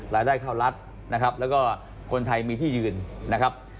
รายได้เข้ารัฐนะครับแล้วก็คนไทยมีที่ยืนนะครับ